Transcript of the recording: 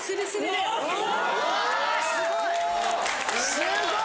すごい！